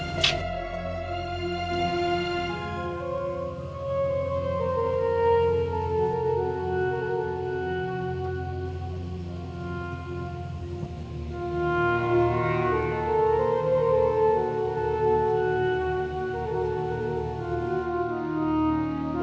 kamu yang sudah nolih salmi